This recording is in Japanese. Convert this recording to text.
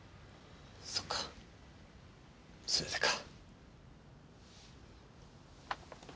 そっかそれでか。